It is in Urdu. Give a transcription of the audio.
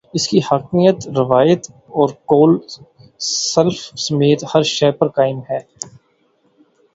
اس کی حاکمیت، روایت اور قول سلف سمیت ہر شے پر قائم ہے۔